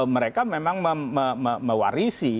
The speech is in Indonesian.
mereka memang mewarisi